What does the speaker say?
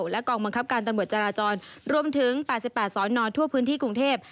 และกองบังคับการตำรวจจราจรรวมถึง๘๘สนทั่วพื้นที่กรุงเทพ